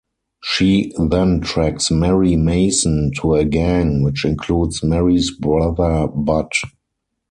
She then tracks Mary Mason to a gang, which includes Mary's brother, Bud.